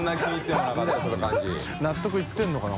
村上）納得いってるのかな？